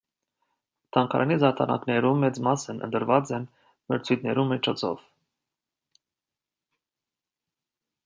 Թանգարանի զարդարանքներու մեծ մասն ընտրուած է մրցոյթներու միջոցով։